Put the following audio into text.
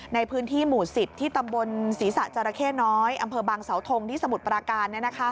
ในพื้นที่หมู่๑๐ที่ตำบลศรีษะจราเข้น้อยอำเภอบางสาวทงที่สมุทรปราการ